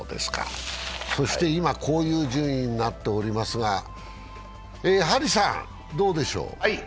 そして今、こういう順位になっておりますがどうでしょう。